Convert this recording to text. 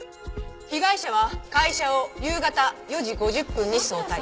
被害者は会社を夕方４時５０分に早退。